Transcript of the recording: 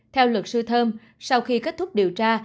theo luật sư thơm sau khi kết thúc điều tra